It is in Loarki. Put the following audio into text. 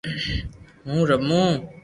ھون رمو